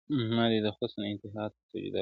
ما دي د حُسن انتها ته سجده وکړه